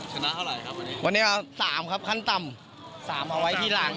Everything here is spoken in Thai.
เท่าไหร่ครับวันนี้วันนี้๓ครับขั้นต่ำสามเอาไว้ทีหลัง